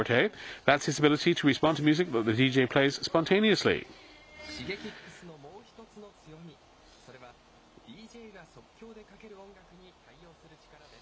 Ｓｈｉｇｅｋｉｘのもう１つの強み、それは、ＤＪが即興でかける音楽に対応する力です。